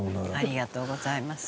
「ありがとうございます」